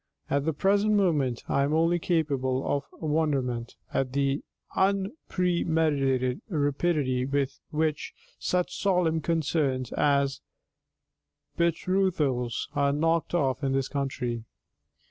At the present moment I am only capable of wonderment at the unpremeditated rapidity with which such solemn concerns as betrothals are knocked off in this country.